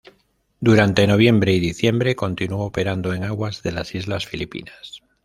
Durante noviembre y diciembre continuó operando en aguas de las islas Filipinas.